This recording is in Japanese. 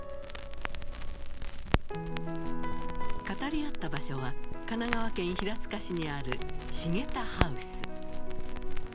語り合った場所は神奈川県平塚市にあるＳＨＩＧＥＴＡハウス。